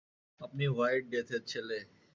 আর white ডেথের ছেলে?